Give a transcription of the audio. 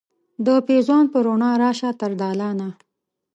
د پیزوان په روڼا راشه تر دالانه